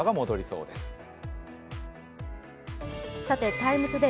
「ＴＩＭＥ，ＴＯＤＡＹ」